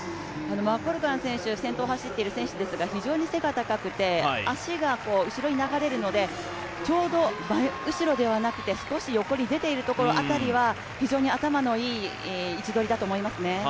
マコルガン選手、先頭を走っている選手ですが、非常に背が高くて足が後ろに流れるので、ちょうど真後ろではなくて少し横に出ているところ辺りは非常に頭のいい位置取りだと思いますね。